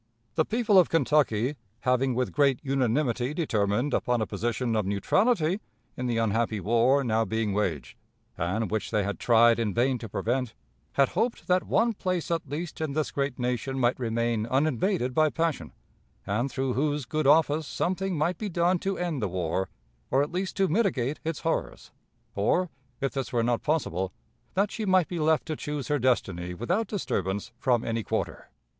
"The people of Kentucky, having with great unanimity determined upon a position of neutrality in the unhappy war now being waged, and which they had tried in vain to prevent, had hoped that one place at least in this great nation might remain uninvaded by passion, and through whose good office something might be done to end the war, or at least to mitigate its horrors, or, if this were not possible, that she might be left to choose her destiny without disturbance from any quarter.